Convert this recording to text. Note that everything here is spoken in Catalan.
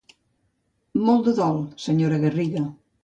Molt de dol, senyora Garriga.